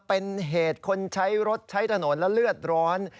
เป็นเหตุคนใช้รถใช้ถนนและเลือดร้อน